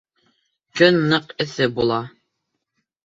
Көн ныҡ эҫе була.